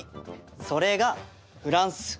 それがフランス。